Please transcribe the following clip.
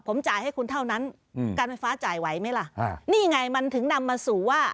ผมจ่ายให้คุณเท่านั้นอืมการไฟฟ้าจ่ายไหวไหมล่ะอ่านี่ไงมันถึงนำมาสู่ว่า